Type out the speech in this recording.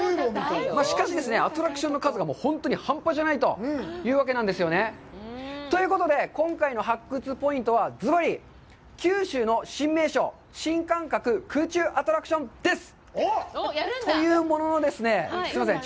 しかしですね、アトラクションの数が本当に半端じゃないというわけなんですね。ということで、今回の発掘ポイントは、ズバリ、九州の新名所、新感覚空中アトラクションです！